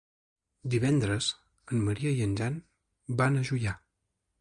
Divendres en Maria i en Jan van a Juià.